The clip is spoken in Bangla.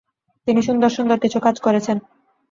তিনি সুন্দর সুন্দর কিছু কাজ করেছেন।